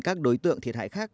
các đối tượng thiệt hại khác